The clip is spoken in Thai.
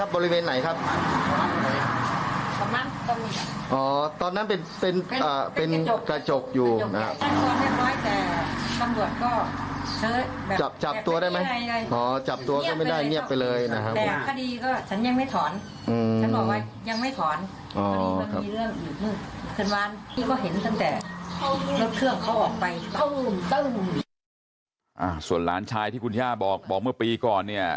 ส่วนหลานชายที่คุณย่าบอกบอกเมื่อปีก่อนเนี่ย